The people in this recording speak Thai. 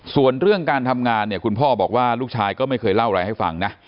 ส่วนเรื่องการทำงานเนี่ยคุณพ่อบอกว่าลูกชายก็ไม่เคยเล่าอะไรให้ฟังนะ